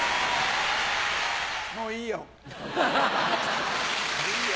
もういいよ。